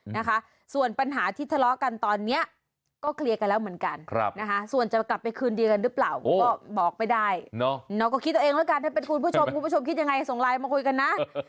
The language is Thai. ในภัพธุ์ส่วนปัญหาที่ทะเลาะกันตอนนี้ก็เคลียร์กันแล้วส่วนจะกลับไปคืน